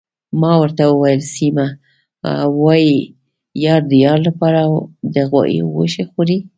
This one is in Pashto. ما ورته وویل: سیمه، وايي یار د یار لپاره د غوايي غوښې خوري.